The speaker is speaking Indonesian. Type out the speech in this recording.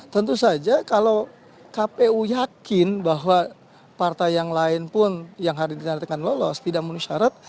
tentu saja kalau kpu yakin bahwa partai yang lain pun yang hari ini dinyatakan lolos tidak menunjuk syarat